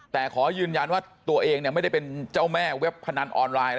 แต่ขอยืนยันว่าตัวเองไม่ได้เป็นเจ้าแม่เว็บพนันออนไลน์